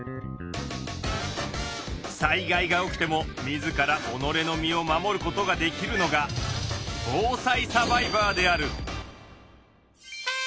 災害が起きてもみずからおのれの身を守ることができるのが防災サバイバーである！